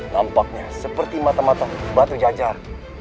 nampaknya seperti mata mata batu jajar